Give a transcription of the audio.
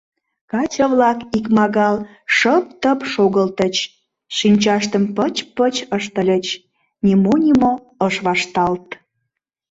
Каче-влак икмагал шып-тып шогылтыч, шинчаштым пыч-пыч ыштыльыч — нимо-нимо ыш вашталт.